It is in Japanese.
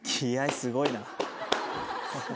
すごいな。